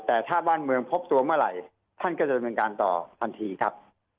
แต่ถ้าบ้านเมืองพบตัวเมื่อไหร่ท่านก็จะดำเนินการต่อทันทีครับ